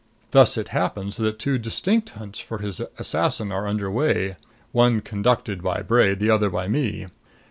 Thus it happens that two distinct hunts for his assassin are under way one conducted by Bray, the other by me.